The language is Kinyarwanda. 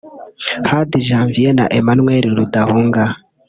Hadi Janvier na Emmanuel Rudahunga